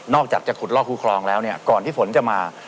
อกจากจะขุดลอกคู่คลองแล้วเนี่ยก่อนที่ฝนจะมา